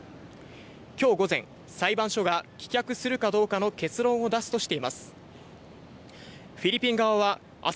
今日午前、裁判所が棄却するかどうかの結論を出すとしています。